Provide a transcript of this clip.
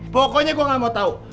pokoknya gua gak mau tau